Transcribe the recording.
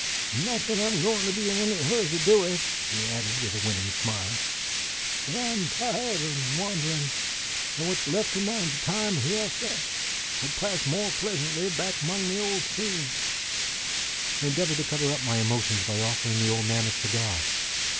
"Not that I'm a gwine to be in any hurry to do it," he added, with a winning smile, "but I'm tiahed o' wanderin', an' what's left o' my time hyah, suh, 'll pass mo' pleasantly back among the old scenes." I endeavored to cover up my emotions by offering the old man a cigar.